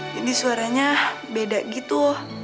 jadi suaranya beda gitu